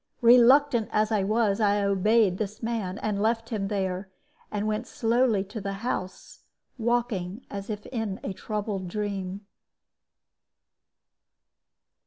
Reluctant as I was, I obeyed this man, and left him there, and went slowly to the house, walking as if in a troubled dream.